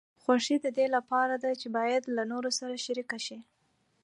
خوښي د دې لپاره ده چې باید له نورو سره شریکه شي.